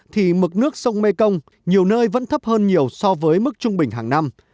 thì mực nước sông mekong nhiều nơi vẫn thấp hơn nhiều so với mức trung bình hàng năm